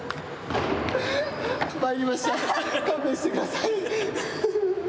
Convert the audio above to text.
参りました、勘弁してください。